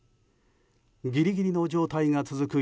ギリギリの状態が続く